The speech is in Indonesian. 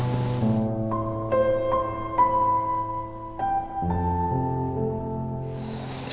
jangan sampai kamu nyesal nantinya